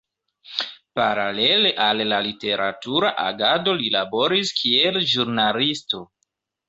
Paralele al la literatura agado li laboris kiel ĵurnalisto.